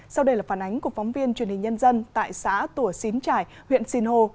sau đây là phản ánh của phóng viên truyền hình nhân dân tại xã tùa xín trải huyện sinh hồ